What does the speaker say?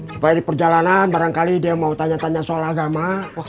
supaya di perjalanan barangkali dia mau tanya tanya soal agama